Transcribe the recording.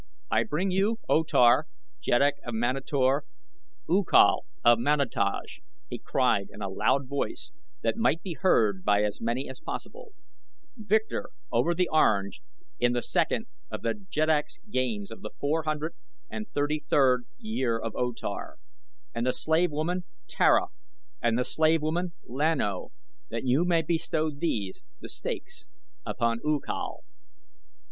"I bring you, O Tar, Jeddak of Manator, U Kal of Manataj," he cried in a loud voice that might be heard by as many as possible, "victor over the Orange in the second of the Jeddak's Games of the four hundred and thirty third year of O Tar, and the slave woman Tara and the slave woman Lan O that you may bestow these, the stakes, upon U Kal."